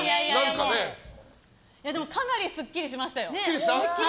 でもかなりすっきりしましたよ。